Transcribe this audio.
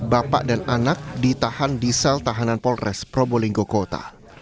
bapak dan anak ditahan di sel tahanan polres probolinggo kota